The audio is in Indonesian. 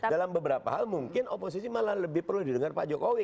dalam beberapa hal mungkin oposisi malah lebih perlu didengar pak jokowi